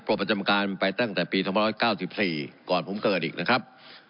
ปรบประจำการไปตั้งแต่ปีทำบันร้อยเก้าสิบสี่ก่อนภูมิเกิดอีกนะครับ